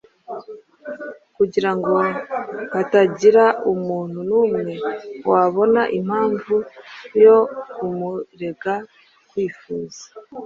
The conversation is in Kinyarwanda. kugira ngo hatagira umuntu n’umwe wabona impamvu yo kumurega kwifuza,